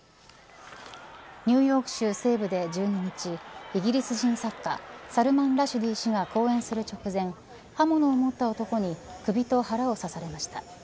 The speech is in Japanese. ニューヨーク州西部で１２日イギリス人作家サルマン・ラシュディ氏が講演する直前刃物を持った男に首と腹を刺されました。